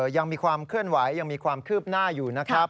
ยังมีความเคลื่อนไหวยังมีความคืบหน้าอยู่นะครับ